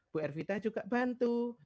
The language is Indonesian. bu ervita juga bantu